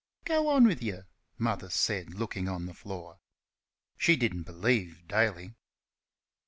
"Go on with you!" Mother said, looking on the floor. She didn't believe Daly.